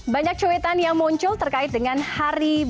banyak cowetan yang muncul terkait dengan hari bukit